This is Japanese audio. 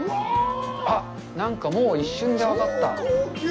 あっ、なんかもう一瞬で分かった。